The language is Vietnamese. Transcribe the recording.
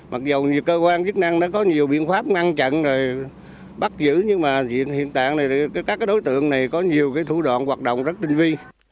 mặc dù cơ quan chức năng có nhiều biện pháp ngăn chặn bắt giữ nhưng mà hiện tại các đối tượng này có nhiều thủ đoạn hoạt động rất tinh vi